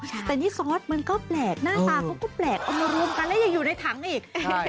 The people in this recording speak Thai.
แต่นี่ซอสมันก็แปลกหน้าตาเขาก็แปลกเอามารวมกันแล้วยังอยู่ในถังอีก